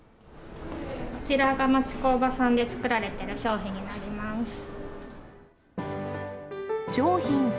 こちらが町工場さんで作られてる商品になります。